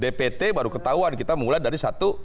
di dpt baru ketahuan kita mulai dari satu ratus delapan puluh tujuh